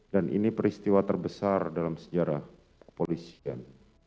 dan ini peristiwa terbesar dalam sejarah polisian